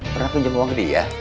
pernah pinjam uang gede ya